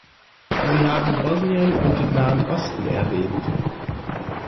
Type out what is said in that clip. Sie haben Bosnien und den Nahen Osten erwähnt.